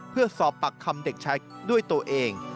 เพื่อสอบปากคำเด็กชายด้วยตัวเอง